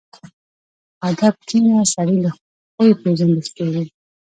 په ادب کښېنه، سړی له خوی پېژندل کېږي.